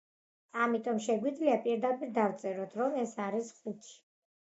ამიტომ, შეგვიძლია პირდაპირ დავწეროთ, რომ ეს არის ხუთი.